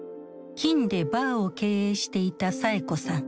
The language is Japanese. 金武でバーを経営していたサエ子さん。